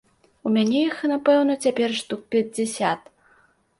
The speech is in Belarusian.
У мяне іх, напэўна, цяпер штук пяцьдзясят.